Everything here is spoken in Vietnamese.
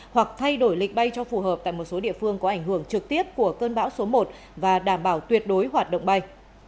hoặc thay đổi lịch bay cho phù hợp tại một số địa phương có ảnh hưởng trực tiếp của cơn bão số một và đảm bảo tuyệt đối hoạt động bay